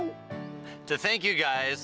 untuk berterima kasih guys